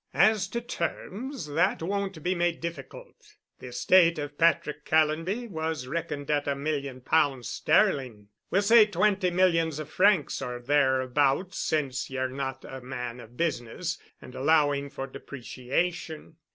"As to terms, that won't be made difficult. The estate of Patrick Callonby was reckoned at a million pounds sterling—we'll say twenty millions of francs or thereabouts—since ye're not a man of business and allowing for depreciation.